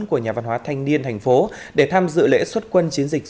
của nhà văn hóa thanh niên thành phố để tham dự lễ xuất quân chiến dịch